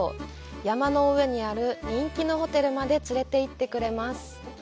山の上にある人気のホテルまで連れていってくれます。